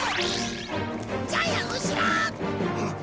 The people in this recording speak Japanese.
ジャイアン後ろ！